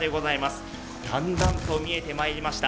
だんだんと見えてまいりました。